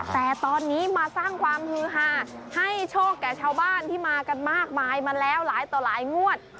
แต่ตอนนี้มาสร้างความฮือฮาให้โชคแก่ชาวบ้านที่มากันมากมายมาแล้วหลายต่อหลายงวด